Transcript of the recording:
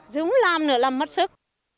dùng lam nữa làm mất sức